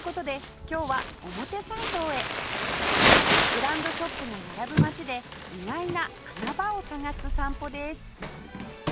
ブランドショップが並ぶ街で意外な穴場を探す散歩です